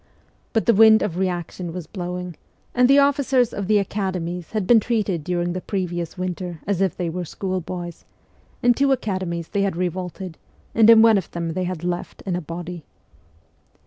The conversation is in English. But the wind of reaction was blowing, and the officers of the academies had been treated during the previous winter as if they were schoolboys ; in two academies they had revolted, and in one of them they had left in a body.